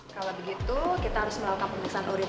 kalau begitu kita harus melakukan penerimaan urin